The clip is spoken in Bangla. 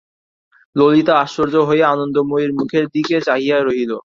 ললিতা আশ্চর্য হইয়া আনন্দময়ীর মুখের দিকে চাহিয়া রহিল।